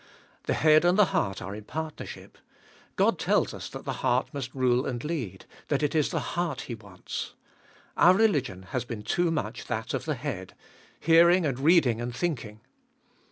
The head and the heart are in partnership. God tells us that the heart must rule and lead, that it is the heart He wants. Our religion has been too much that of the head— hearing and reading and thinking.